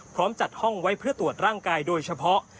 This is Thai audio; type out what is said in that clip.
พร้อมจัดห้องไว้เพื่อตรวจร่างกายโดยเฉพาะ